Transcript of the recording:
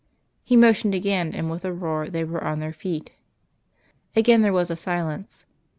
He motioned again and with a roar they were on their feet. Again there was a silence.